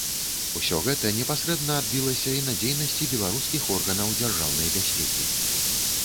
Усе гэта непасрэдна адбілася і на дзейнасці беларускіх органаў дзяржаўнай бяспекі.